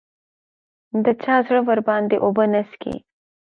د چا زړه ورباندې اوبه نه څښي